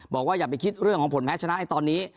อย่าไปคิดเรื่องของผลแพ้ชนะในตอนนี้